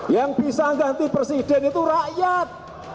yang bisa ganti presiden itu rakyat